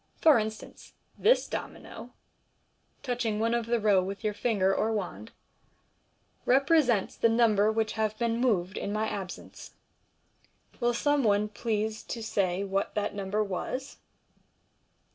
For instance, this domino " (touching one of the row with your finger or wand) " represents the number which have been moved in my absence. Will some one please to say what that number was?"